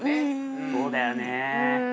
そうだよね。